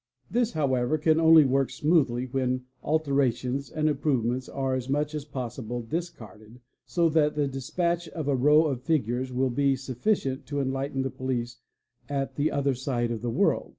This however can only work smoothly when alterations and improvements are as much as possible discarded so that the despatch of a row of figures will be sufficient to enlighten the police at the other side of the world.